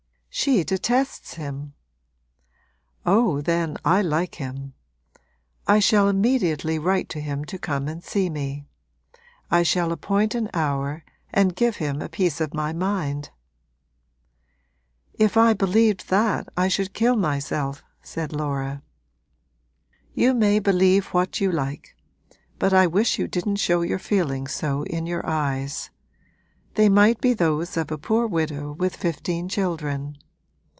'She detests him.' 'Oh, then, I like him! I shall immediately write to him to come and see me: I shall appoint an hour and give him a piece of my mind.' 'If I believed that, I should kill myself,' said Laura. 'You may believe what you like; but I wish you didn't show your feelings so in your eyes. They might be those of a poor widow with fifteen children.